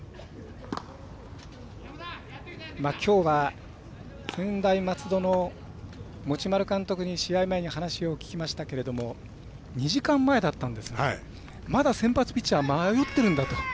きょうは、専大松戸の持丸監督に試合前に話を聞きましたけれども２時間前だったんが、まだ先発ピッチャー迷ってるんだと。